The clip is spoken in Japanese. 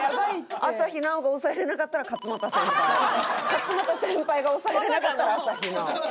勝俣先輩が押さえられなかったら朝日奈央。